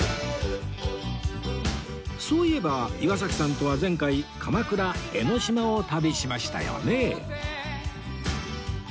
そういえば岩崎さんとは前回鎌倉江の島を旅しましたよね